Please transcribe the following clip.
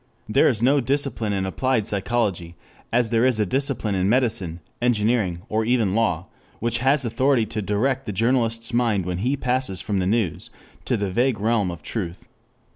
There is no discipline in applied psychology, as there is a discipline in medicine, engineering, or even law, which has authority to direct the journalist's mind when he passes from the news to the vague realm of truth.